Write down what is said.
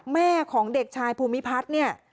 แม่ของเด็กชายภูมิพัฒน์เนี่ย